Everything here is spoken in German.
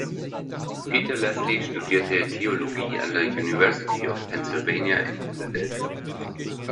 Peter Lesley studierte Theologie an der University of Pennsylvania in Philadelphia.